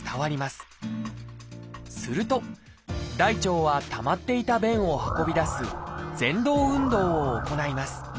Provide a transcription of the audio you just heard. すると大腸はたまっていた便を運び出す「ぜん動運動」を行います。